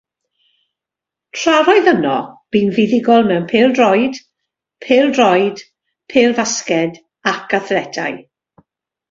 Tra'r oedd yno bu'n fuddugol mewn pêl-droed, pêl-droed, pêl-fasged, ac athletau.